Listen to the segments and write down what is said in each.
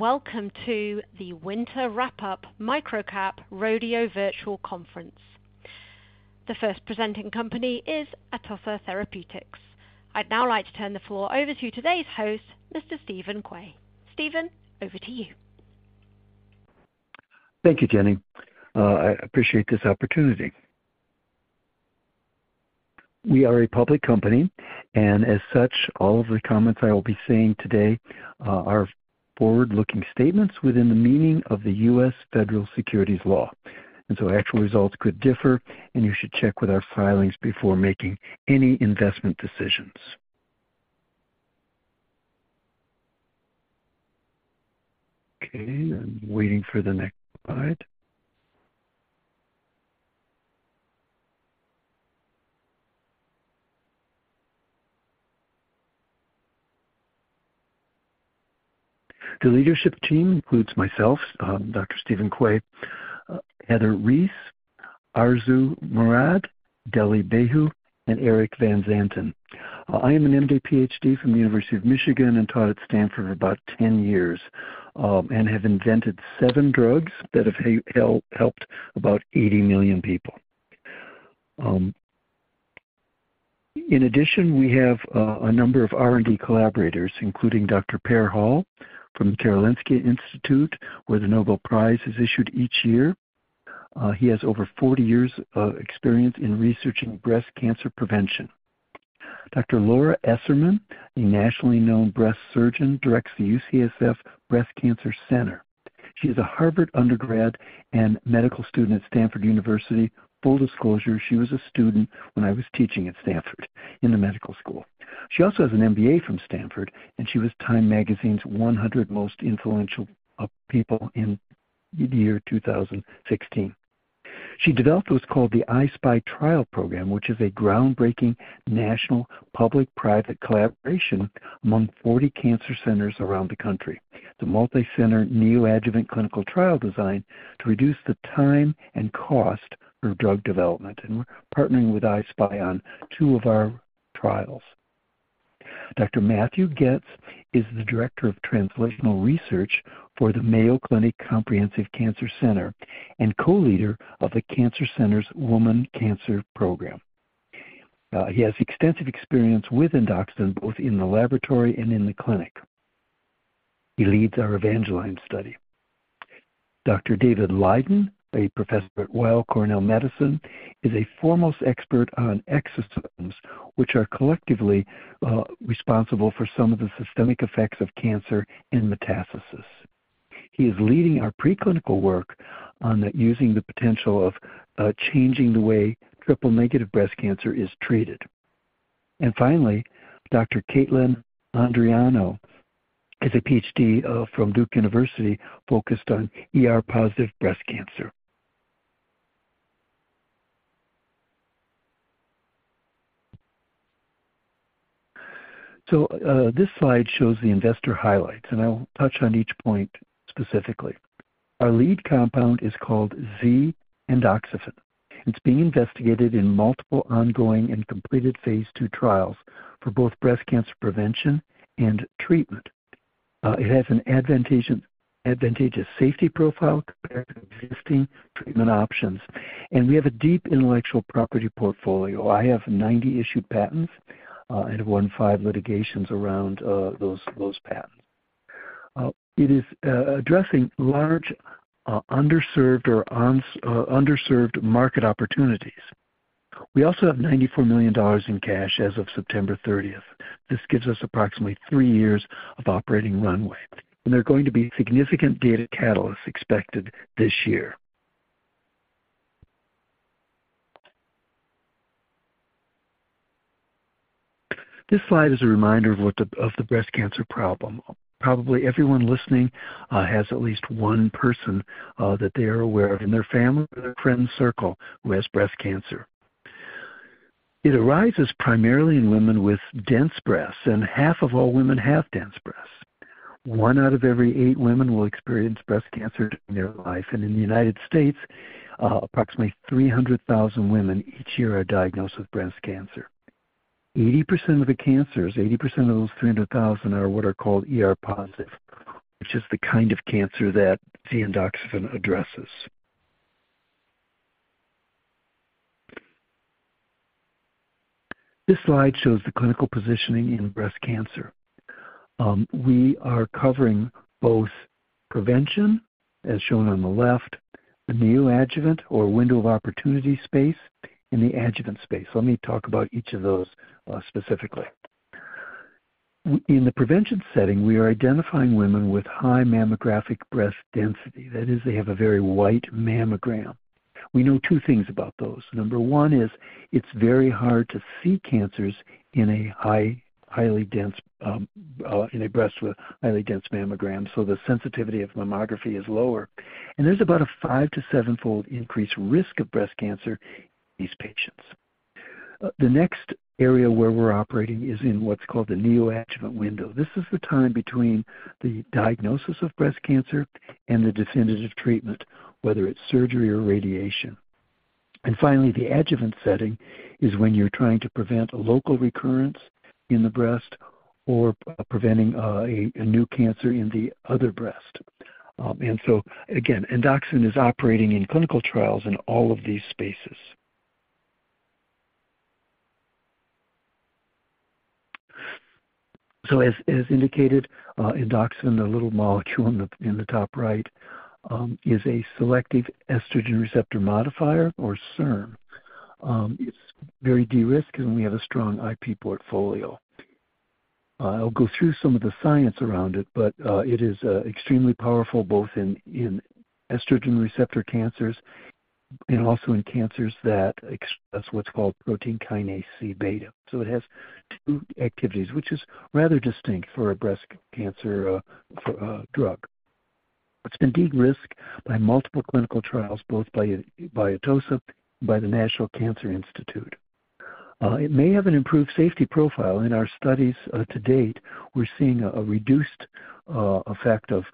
Welcome to the Winter Wrap-Up Microcap Rodeo Virtual Conference. The first presenting company is Atossa Therapeutics. I'd now like to turn the floor over to today's host, Mr. Stephen Quay. Stephen, over to you. Thank you, Jenny. I appreciate this opportunity. We are a public company, and as such, all of the comments I will be saying today are forward-looking statements within the meaning of the U.S. Federal Securities Law. So actual results could differ, and you should check with our filings before making any investment decisions. Okay. I'm waiting for the next slide. The leadership team includes myself, Dr. Steven Quay, Heather Rees, Tessra Mohseni, Dale Beighle, and Eric Van Zanten. I am an MD/PhD from the University of Michigan and taught at Stanford for about 10 years and have invented seven drugs that have helped about 80 million people. In addition, we have a number of R&D collaborators, including Dr. Per Hall from the Karolinska Institutet, where the Nobel Prize is issued each year. He has over 40 years' experience in researching breast cancer prevention. Dr. Laura Esserman, a nationally known breast surgeon, directs the UCSF Breast Cancer Center. She is a Harvard undergrad and medical student at Stanford University. Full disclosure, she was a student when I was teaching at Stanford in the medical school. She also has an MBA from Stanford, and she was Time Magazine's 100 Most Influential People in the year 2016. She developed what's called the I-SPY Trial Program, which is a groundbreaking national public-private collaboration among 40 cancer centers around the country. It's a multi-center neoadjuvant clinical trial design to reduce the time and cost for drug development. And we're partnering with I-SPY on two of our trials. Dr. Matthew Goetz is the director of translational research for the Mayo Clinic Comprehensive Cancer Center and co-leader of the cancer center's Woman Cancer Program. He has extensive experience with endocrinology, both in the laboratory and in the clinic. He leads our Evangeline study. Dr. David Lyden, a professor at Weill Cornell Medicine, is a foremost expert on exosomes, which are collectively responsible for some of the systemic effects of cancer and metastasis. He is leading our preclinical work on using the potential of changing the way triple-negative breast cancer is treated. And finally, Dr. Caitlin Andriano, who is a PhD from Duke University, focused on ER-positive breast cancer. This slide shows the investor highlights, and I'll touch on each point specifically. Our lead compound is called (Z)-endoxifen. It's being investigated in multiple ongoing and completed phase II trials for both breast cancer prevention and treatment. It has an advantageous safety profile compared to existing treatment options. And we have a deep intellectual property portfolio. I have 90 issued patents, and I've won 5 litigations around those patents. It is addressing large underserved market opportunities. We also have $94 million in cash as of September 30th. This gives us approximately three years of operating runway. There are going to be significant data catalysts expected this year. This slide is a reminder of the breast cancer problem. Probably everyone listening has at least one person that they are aware of in their family or their friend circle who has breast cancer. It arises primarily in women with dense breasts, and half of all women have dense breasts. One out of every eight women will experience breast cancer during their life. In the United States, approximately 300,000 women each year are diagnosed with breast cancer. 80% of the cancers, 80% of those 300,000, are what are called ER-positive, which is the kind of cancer that (Z)-endoxifen addresses. This slide shows the clinical positioning in breast cancer. We are covering both prevention, as shown on the left, the neoadjuvant or window of opportunity space, and the adjuvant space. Let me talk about each of those specifically. In the prevention setting, we are identifying women with high mammographic breast density. That is, they have a very white mammogram. We know two things about those. Number one is it's very hard to see cancers in a highly dense breast with a highly dense mammogram, so the sensitivity of mammography is lower. And there's about a 5- to 7-fold increased risk of breast cancer in these patients. The next area where we're operating is in what's called the neoadjuvant window. This is the time between the diagnosis of breast cancer and the definitive treatment, whether it's surgery or radiation. And finally, the adjuvant setting is when you're trying to prevent a local recurrence in the breast or preventing a new cancer in the other breast. And so again, (Z)-endoxifen is operating in clinical trials in all of these spaces. So as indicated, (Z)-endoxifen, the little molecule in the top right, is a selective estrogen receptor modifier or SERM. It's very de-risked because we have a strong IP portfolio. I'll go through some of the science around it, but it is extremely powerful both in estrogen receptor cancers and also in cancers that express what's called Protein Kinase C beta. So it has two activities, which is rather distinct for a breast cancer drug. It's been de-risked by multiple clinical trials, both by Atossa and by the National Cancer Institute. It may have an improved safety profile. In our studies to date, we're seeing a reduced effect of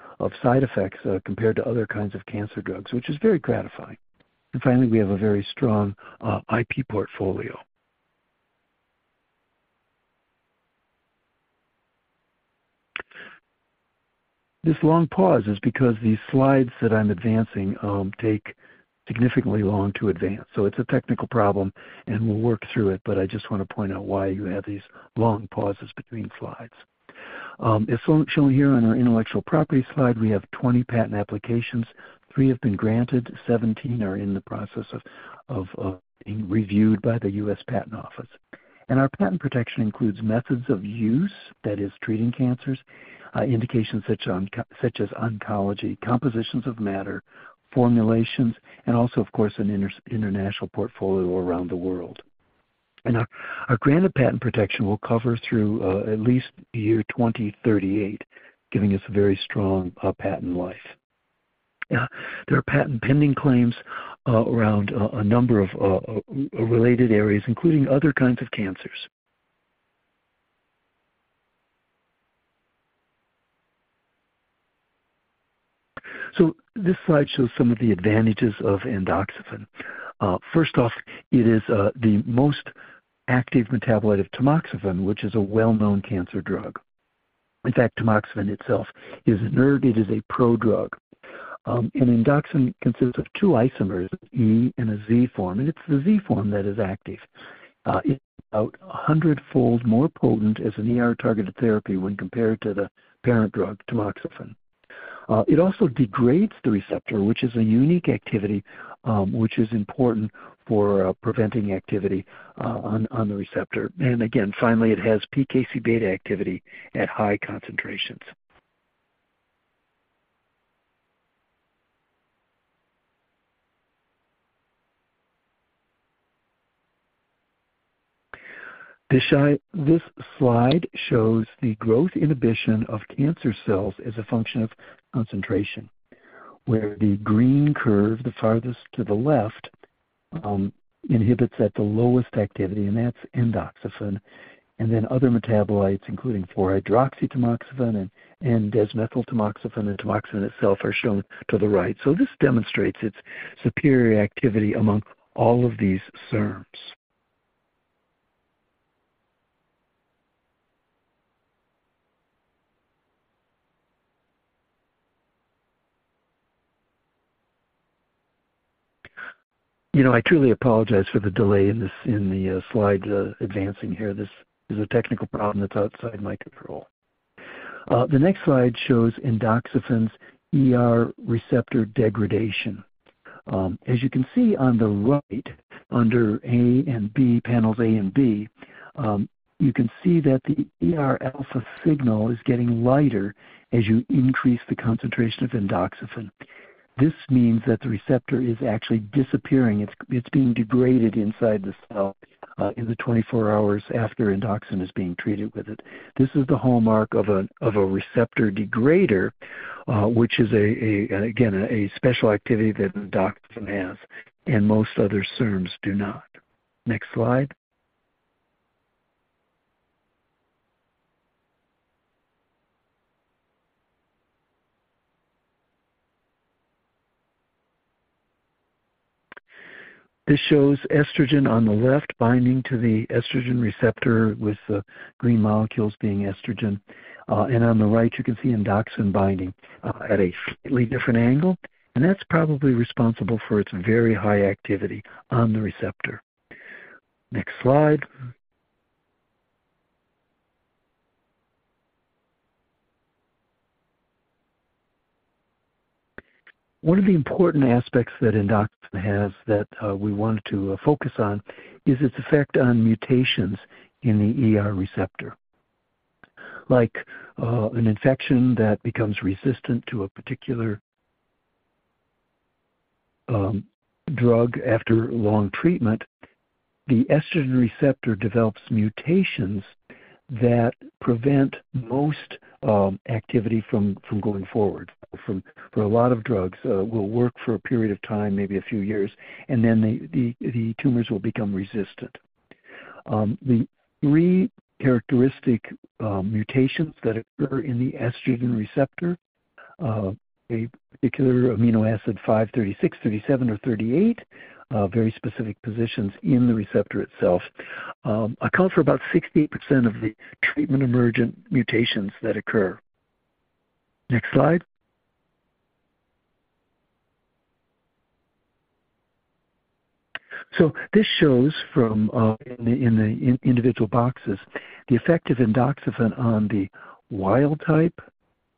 side effects compared to other kinds of cancer drugs, which is very gratifying. Finally, we have a very strong IP portfolio. This long pause is because these slides that I'm advancing take significantly long to advance. It's a technical problem, and we'll work through it, but I just want to point out why you have these long pauses between slides. As shown here on our intellectual property slide, we have 20 patent applications. 3 have been granted. 17 are in the process of being reviewed by the U.S. Patent Office. Our patent protection includes methods of use, that is, treating cancers, indications such as oncology, compositions of matter, formulations, and also, of course, an international portfolio around the world. Our granted patent protection will cover through at least year 2038, giving us a very strong patent life. There are patent pending claims around a number of related areas, including other kinds of cancers. This slide shows some of the advantages of (Z)-endoxifen. First off, it is the most active metabolite of tamoxifen, which is a well-known cancer drug. In fact, tamoxifen itself is a prodrug. It is a pro-drug. And (Z)-endoxifen consists of two isomers, an E and a Z form, and it's the Z form that is active. It's about 100-fold more potent as an ER-targeted therapy when compared to the parent drug, tamoxifen. It also degrades the receptor, which is a unique activity which is important for preventing activity on the receptor. And again, finally, it has PKCβ activity at high concentrations. This slide shows the growth inhibition of cancer cells as a function of concentration, where the green curve, the farthest to the left, inhibits at the lowest activity, and that's (Z)-endoxifen. And then other metabolites, including 4-hydroxytamoxifen and N-desmethyltamoxifen and tamoxifen itself, are shown to the right. So this demonstrates its superior activity among all of these SERMs. I truly apologize for the delay in the slide advancing here. This is a technical problem that's outside my control. The next slide shows (Z)-endoxifen's receptor degradation. As you can see on the right, under panels A and B, you can see that the ER-alpha signal is getting lighter as you increase the concentration of (Z)-endoxifen. This means that the receptor is actually disappearing. It's being degraded inside the cell in the 24 hours after (Z)-endoxifen is being treated with it. This is the hallmark of a receptor degrader, which is, again, a special activity that (Z)-endoxifen has, and most other SERMs do not. Next slide. This shows estrogen on the left binding to the estrogen receptor with the green molecules being estrogen. On the right, you can see (Z)-endoxifen binding at a slightly different angle, and that's probably responsible for its very high activity on the receptor. Next slide. One of the important aspects that (Z)-endoxifen has that we wanted to focus on is its effect on mutations in the receptor. Like an infection that becomes resistant to a particular drug after long treatment, the estrogen receptor develops mutations that prevent most activity from going forward. For a lot of drugs, it will work for a period of time, maybe a few years, and then the tumors will become resistant. The three characteristic mutations that occur in the estrogen receptor, a particular amino acid 536, 537, or 538, very specific positions in the receptor itself, account for about 68% of the treatment-emergent mutations that occur. Next slide. So this shows from in the individual boxes, the effect of (Z)-endoxifen on the wild-type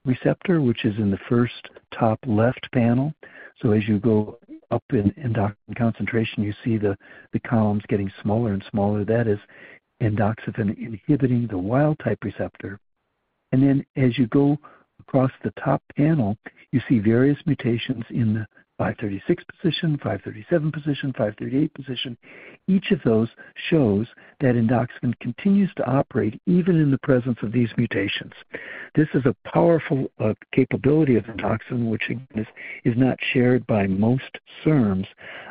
receptor, which is in the first top left panel. So as you go up in (Z)-endoxifen concentration, you see the columns getting smaller and smaller. That is (Z)-endoxifen inhibiting the wild-type receptor. And then as you go across the top panel, you see various mutations in the 536 position, 537 position, 538 position. Each of those shows that (Z)-endoxifen continues to operate even in the presence of these mutations. This is a powerful capability of (Z)-endoxifen, which, again, is not shared by most SERMs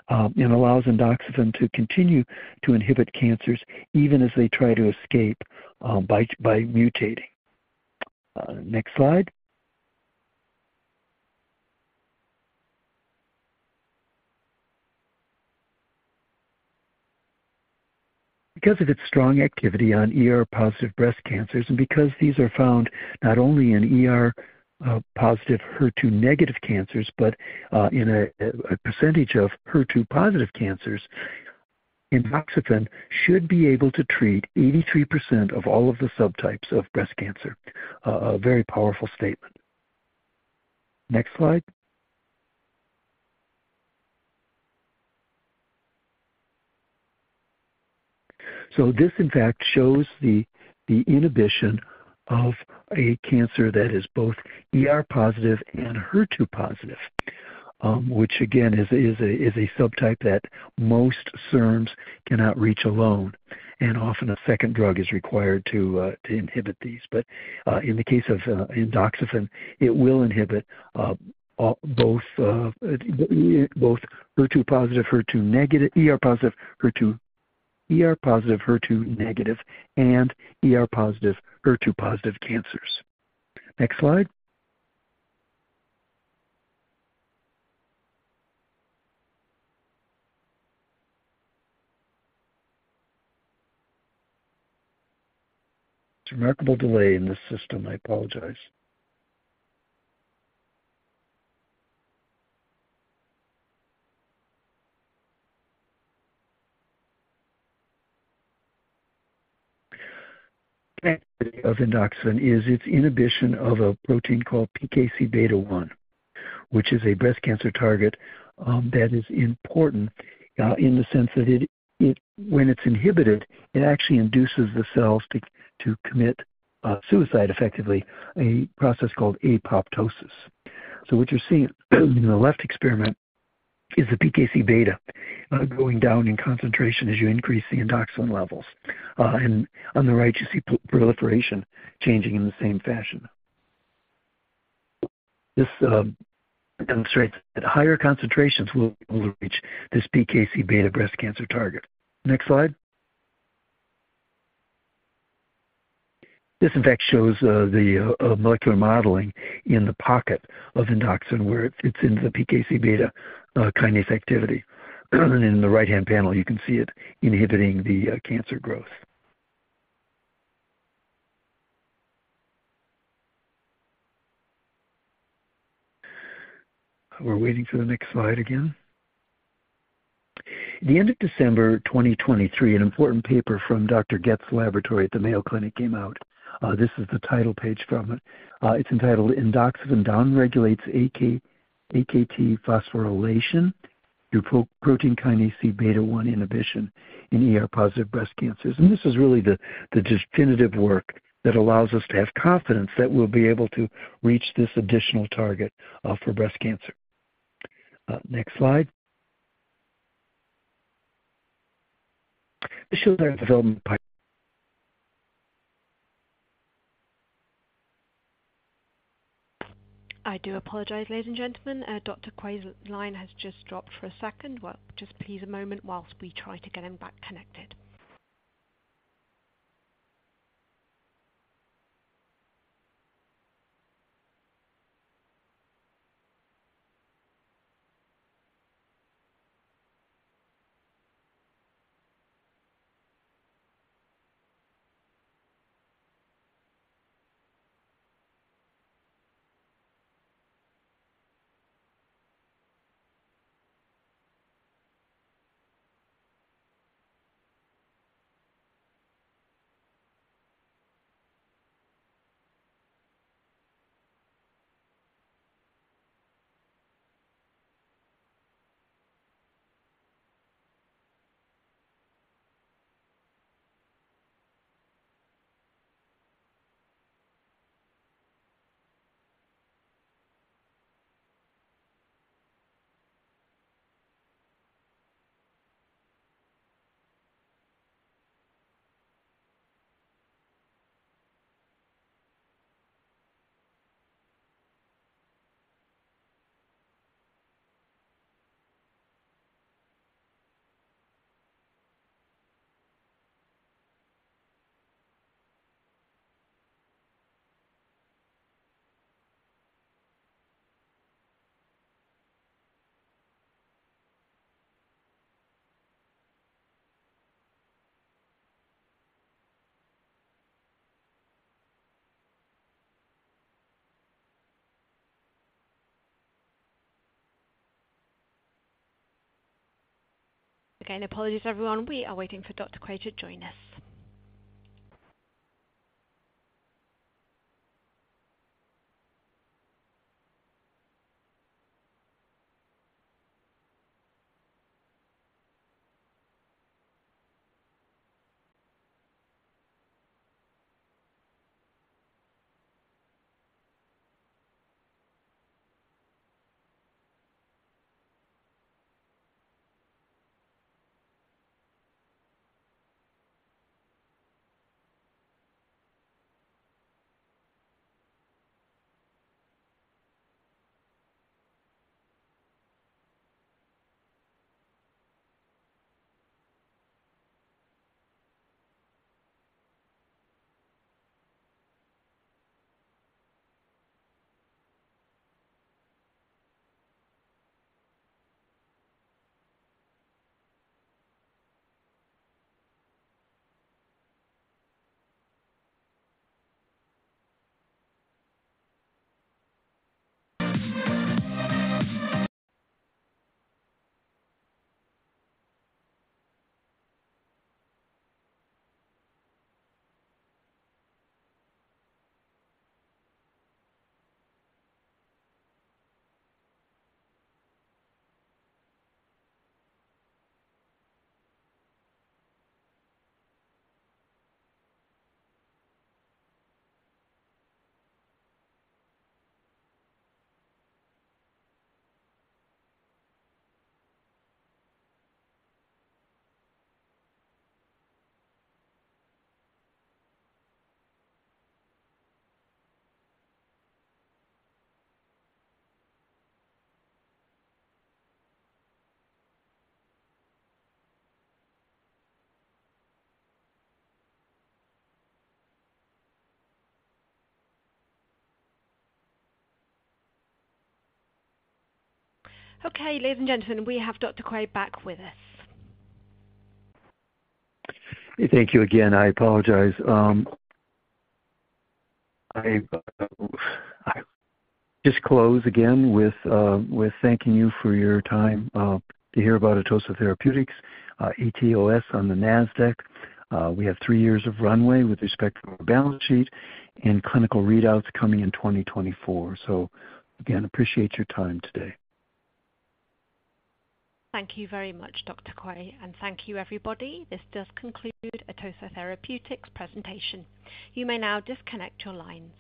and allows (Z)-endoxifen to continue to inhibit cancers even as they try to escape by mutating. Next slide. Because of its strong activity on ER-positive breast cancers and because these are found not only in ER-positive HER2-negative cancers but in a percentage of HER2-positive cancers, (Z)-endoxifen should be able to treat 83% of all of the subtypes of breast cancer. A very powerful statement. Next slide. So this, in fact, shows the inhibition of a cancer that is both ER-positive and HER2-positive, which, again, is a subtype that most SERMs cannot reach alone. And often, a second drug is required to inhibit these. But in the case of (Z)-endoxifen, it will inhibit both HER2-positive, HER2-negative, ER-positive, HER2-negative, and ER-positive, HER2-positive cancers. Next slide. It's a remarkable delay in this system. I apologize. The activity of (Z)-endoxifen is its inhibition of a protein called PKCβ1, which is a breast cancer target that is important in the sense that when it's inhibited, it actually induces the cells to commit suicide effectively, a process called apoptosis. So what you're seeing in the left experiment is the PKCβ going down in concentration as you increase the (Z)-endoxifen levels. And on the right, you see proliferation changing in the same fashion. This demonstrates that higher concentrations will reach this PKCβ breast cancer target. Next slide. This, in fact, shows the molecular modeling in the pocket of (Z)-endoxifen where it's into the PKCβ kinase activity. And in the right-hand panel, you can see it inhibiting the cancer growth. We're waiting for the next slide again. At the end of December 2023, an important paper from Dr. Goetz's laboratory at the Mayo Clinic came out. This is the title page from it. It's entitled, "(Z)-Endoxifen Downregulates AKT Phosphorylation through PKCβ Inhibition in ER-Positive Breast Cancers." And this is really the definitive work that allows us to have confidence that we'll be able to reach this additional target for breast cancer. Next slide. This shows our development pipeline. I do apologize, ladies and gentlemen. Dr. Quay's line has just dropped for a second. Well, just please a moment while we try to get him back connected. Again, apologies, everyone. We are waiting for Dr. Quay to join us. Okay, ladies and gentlemen, we have Dr. Quay back with us. Thank you again. I apologize. I just close again with thanking you for your time to hear about Atossa Therapeutics, ATOS on the NASDAQ. We have three years of runway with respect to our balance sheet and clinical readouts coming in 2024. So, again, appreciate your time today. Thank you very much, Dr. Quay. Thank you, everybody. This does conclude Atossa Therapeutics' presentation. You may now disconnect your lines.